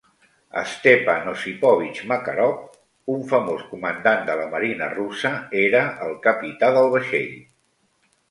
Stepan Osipovich Makarov, un famós comandant de la marina russa, era el capità del vaixell.